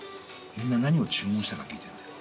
みんな何を注文したか聞いてんだよ。